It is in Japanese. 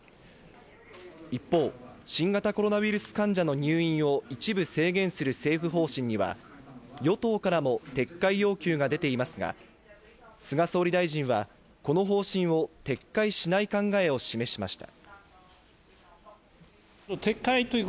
一方、新型コロナウイルス患者の入院を一部制限する政府方針には与党からも撤回要求が出ていますが、菅総理大臣はこの方針を撤回しない考えを示しました。